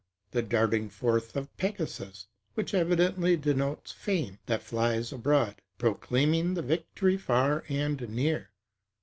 The darting forth of Pegasus; which evidently denotes fame, that flies abroad, proclaiming the victory far and near.